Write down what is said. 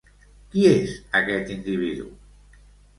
Qui és aquest individu?